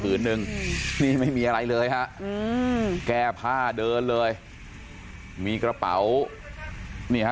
นึงนี่ไม่มีอะไรเลยฮะอืมแก้ผ้าเดินเลยมีกระเป๋านี่ฮะ